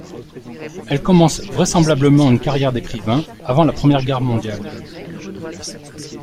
Elle commence vraisemblablement une carrière d'écrivain avant la Première Guerre mondiale.